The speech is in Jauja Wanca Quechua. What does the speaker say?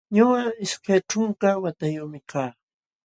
Ñuqa ishkay ćhunka watayuqmi kaa